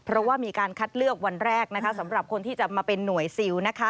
เพราะว่ามีการคัดเลือกวันแรกสำหรับคนที่จะมาเป็นหน่วยซิล